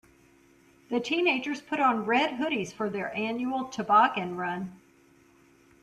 The teenagers put on red hoodies for their annual toboggan run.